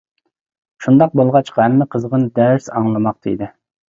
شۇنداق بولغاچقا ھەممە قىزغىن دەس ئاڭلىماقتا ئىدى.